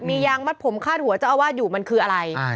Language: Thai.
มียางมัดผมคาดหัวเจ้าอาวาสอยู่มันคืออะไร